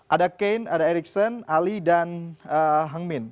ada kane ada ericson ali dan hang min